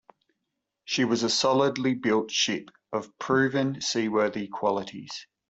She was a solidly built ship of proven seaworthy qualities.